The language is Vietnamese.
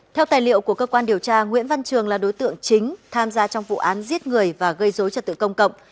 theo tài liệu của cơ quan điều tra nguyễn văn trường là đối tượng chính tham gia trong vụ án giết người và gây dối trật tự công cộng